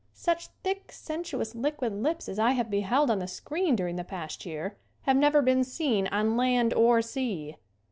Such thick, sensuous, liquid lips as I have beheld on the screen during the past year have never been seen on land or sea.